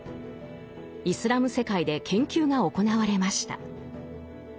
イスラム世界で研究が行われました。